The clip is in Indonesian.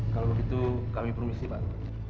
kalau begitu kami promisi pak